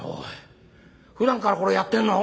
ふだんからこれやってんの？